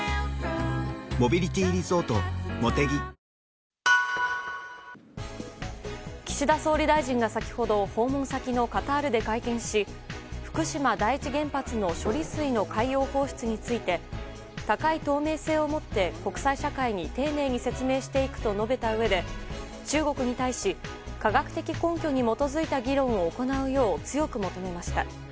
ぷはーっ岸田総理大臣が先ほど訪問先のカタールで会見し福島第一原発の処理水の海洋放出について高い透明性を持って国際社会に丁寧に説明していくと述べたうえで中国に対し科学的根拠に基づいた議論を行うよう強く求めました。